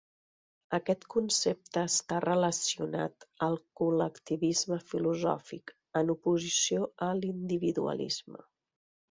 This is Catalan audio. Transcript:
Aquest concepte està relacionat al col·lectivisme filosòfic en oposició a l'individualisme.